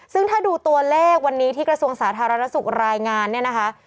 ซึ่งถ้าดูตัวเลขวันนี้ที่กระทรวงสาธารณสุขรายงานเนี่ยนะคะ